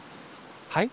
はい？